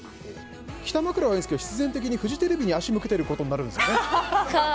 北枕はいいんですが必然的にフジテレビに足を向けていることになるんです。